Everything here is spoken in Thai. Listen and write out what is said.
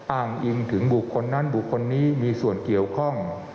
อ้างอิงถึงบุคคลนั้นบุคคลนี้มีส่วนเกี่ยวข้อง